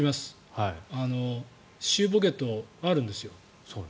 歯周ポケットあるんですよ。